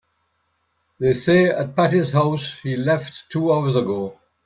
They say at Patti's house he left two hours ago.